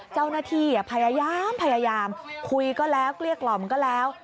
เจ้าหน้าที่พยายามพยายามคุยก็แล้วเรียกรอบมันก็แล้ว